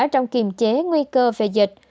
trong kiềm chế nguy cơ về dịch